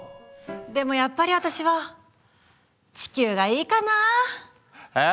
でもやっぱり私は地球がいいかな。え？